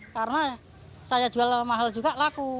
karena saya jual mahal juga laku